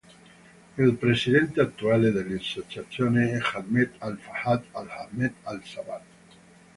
Il presidente attuale dell'associazione è Ahmed Al-Fahad Al-Ahmed Al-Sabah.